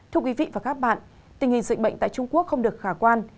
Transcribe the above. thưa quý vị và các bạn tình hình dịch bệnh tại trung quốc không được khả quan